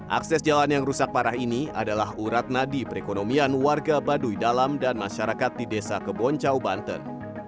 akses jalan yang rusak parah ini adalah urat nadi perekonomian warga baduy dalam dan masyarakat di desa keboncau banten